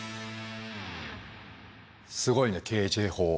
すごいねＫＪ法。